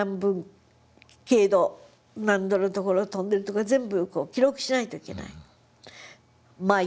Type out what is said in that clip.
何度の所を飛んでるとか全部記録しないといけない。